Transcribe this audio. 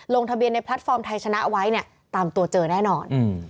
ลงทะเบียนในแพลตฟอร์มไทยชนะเอาไว้เนี่ยตามตัวเจอแน่นอน